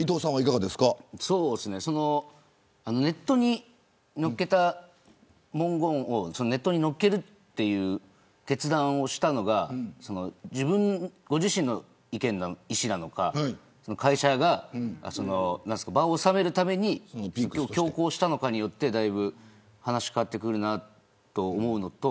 ネットに載っけた文言をネットに載っける決断をしたのがご自身の意志なのか会社が場を収めるために強行したのかによってだいぶ話変わってくるなと思うのと。